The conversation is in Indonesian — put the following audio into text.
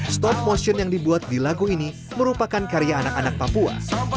stop motion yang dibuat di lagu ini merupakan karya anak anak papua